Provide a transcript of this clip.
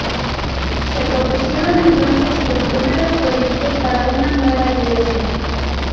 Se propusieron entonces los primeros proyectos para una nueva iglesia.